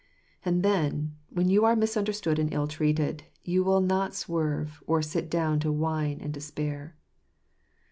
And then, when you are misunderstood and ill treated, you will not swerve, or sit down to whine and despair.